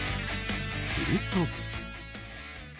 すると。